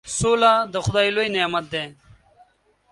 سوله د خدای لوی نعمت دی.